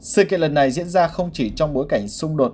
sự kiện lần này diễn ra không chỉ trong bối cảnh xung đột